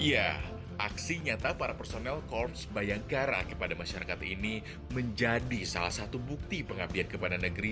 ya aksi nyata para personel korps bayangkara kepada masyarakat ini menjadi salah satu bukti pengabdian kepada negeri